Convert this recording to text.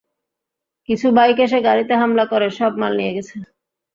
কিছু বাইক এসে গাড়িতে হামলা করে, সব মাল নিয়ে গেছে।